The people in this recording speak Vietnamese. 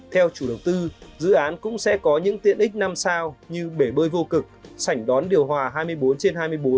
theo chủ đầu tư dự án cũng sẽ có những tiện ích năm sao như bể bơi vô cực sảnh đón điều hòa hai mươi bốn trên hai mươi bốn